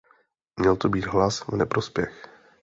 Měl to být hlas v neprospěch.